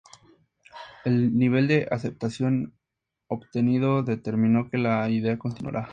El nivel de aceptación obtenido determinó que la idea continuara.